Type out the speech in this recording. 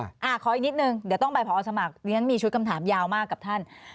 ขออีกนิดนึงเดี๋ยวต้องไปพอสมัครเรียนมีชุดคำถามยาวมากกับท่าน